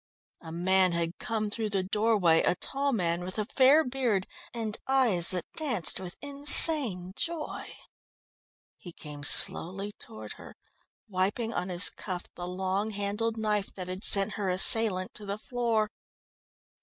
A man had come through the doorway, a tall man, with a fair beard and eyes that danced with insane joy. He came slowly toward her, wiping on his cuff the long handled knife that had sent her assailant to the floor.